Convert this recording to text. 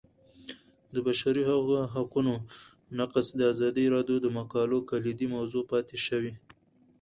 د بشري حقونو نقض د ازادي راډیو د مقالو کلیدي موضوع پاتې شوی.